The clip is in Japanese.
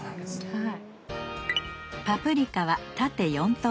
はい。